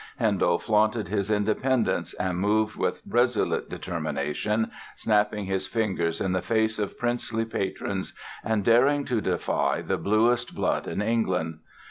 Handel flaunted his independence and moved with resolute determination, snapping his fingers in the face of princely patrons and daring to defy the bluest blood in England.